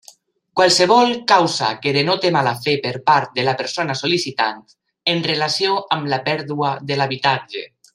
Qualsevol causa que denoti mala fe per part de la persona sol·licitant, en relació amb la pèrdua de l'habitatge.